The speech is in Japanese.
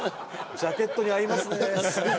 ジャケットに合いますね。